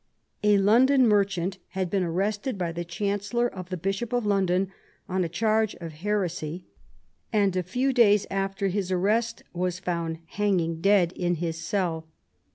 A London merchant had been arrested by the chancellor of the Bishop of London on a charge of heresy, and a few days after his arrest was found hanging dead in his cell.